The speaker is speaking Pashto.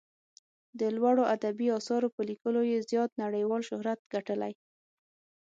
د لوړو ادبي اثارو په لیکلو یې زیات نړیوال شهرت ګټلی.